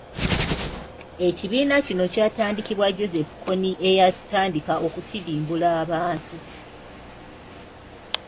Ekibiina kino kyatandikibwa Joseph Kony eyatandika okutirimbula abantu.